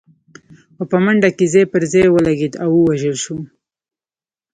خو په منډه کې ځای پر ځای ولګېد او ووژل شو.